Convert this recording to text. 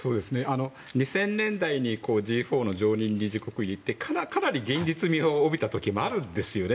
２０００年代にＧ４の常任理事国入りってかなり現実味を帯びた時もあるんですよね。